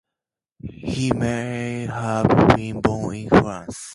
He may have been born in France.